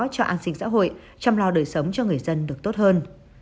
cho an sinh xã hội chăm lo đời sống cho người dân được tốt hơn